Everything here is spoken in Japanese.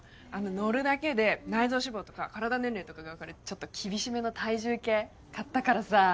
あの乗るだけで内臓脂肪とか体年齢とかが分かるちょっと厳しめの体重計買ったからさ。